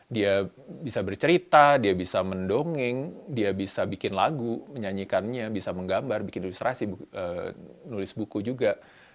dia bisa bercerita dia bisa mendongeng dia bisa bikin lagu menyanyikannya bisa menggambar bikin ilustrasi nulis buku juga